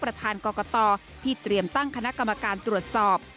ประธานกรกตที่เตรียมตั้งคณะกรรมการตรวจสอบ